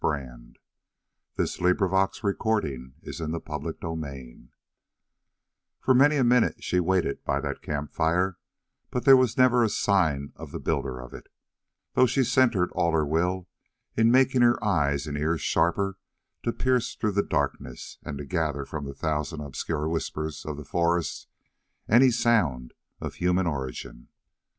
She was alone, but she was secure in the wilderness. CHAPTER 28 For many a minute she waited by that camp fire, but there was never a sign of the builder of it, though she centered all her will in making her eyes and ears sharper to pierce through the darkness and to gather from the thousand obscure whispers of the forest any sounds of human origin.